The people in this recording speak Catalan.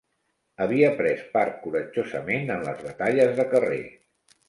Havia pres part coratjosament en les batalles de carrer